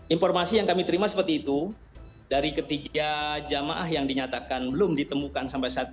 informasi yang kami terima seperti itu dari ketiga jamaah yang dinyatakan belum ditemukan sampai saat ini